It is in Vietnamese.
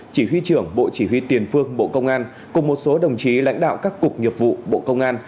chỉ huy trưởng bộ chỉ huy tiền phương bộ công an cùng một số đồng chí lãnh đạo các cục nghiệp vụ bộ công an